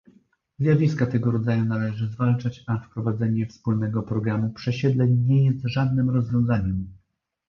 Zjawiska tego rodzaju należy zwalczać, a wprowadzenie wspólnego programu przesiedleń nie jest żadnym rozwiązaniem